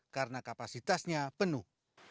karena kapasitasnya penuh